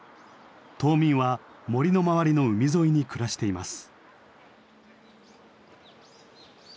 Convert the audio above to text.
島民は森の周りの海沿いに暮らしています。